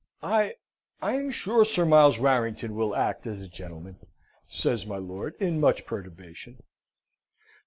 "I I am sure Sir Miles Warrington will act as a gentleman!" says my lord, in much perturbation.